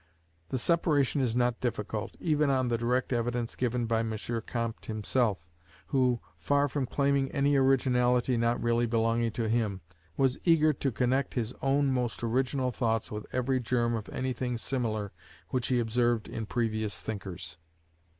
The separation is not difficult, even on the direct evidence given by M. Comte himself, who, far from claiming any originality not really belonging to him, was eager to connect his own most original thoughts with every germ of anything similar which he observed in previous thinkers.